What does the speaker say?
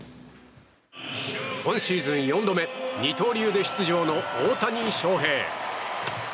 今シーズン４度目二刀流で出場の大谷翔平。